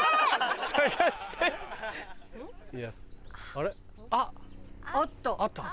あれ？あった。